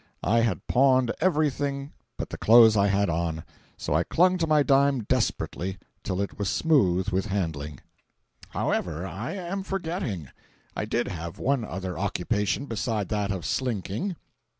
I had pawned every thing but the clothes I had on; so I clung to my dime desperately, till it was smooth with handling. 429.jpg (36K) However, I am forgetting. I did have one other occupation beside that of "slinking."